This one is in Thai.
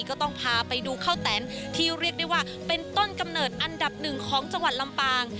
ก็ต้องพาไปดูข้าวแตนที่เรียกได้ว่าเป็นต้นกำเนิดอันดับหนึ่งของจังหวัดลำปาง